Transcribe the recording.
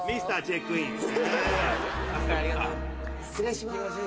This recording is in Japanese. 失礼します。